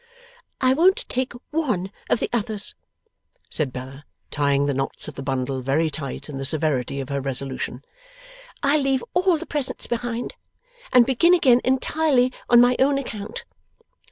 'I won't take one of the others,' said Bella, tying the knots of the bundle very tight, in the severity of her resolution. 'I'll leave all the presents behind, and begin again entirely on my own account.